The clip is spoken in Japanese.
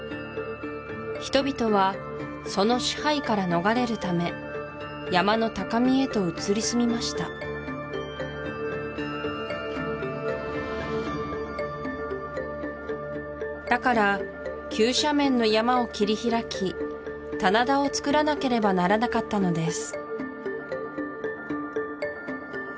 人々はその支配から逃れるため山の高みへと移り住みましただから急斜面の山を切りひらき棚田をつくらなければならなかったのです